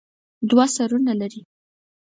دوه سرونه لري.